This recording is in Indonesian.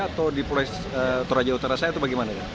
atau di polresto raja utara saya itu bagaimana